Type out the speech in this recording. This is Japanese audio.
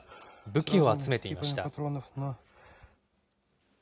武器を集めていました。